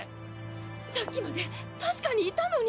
さっきまで確かにいたのに。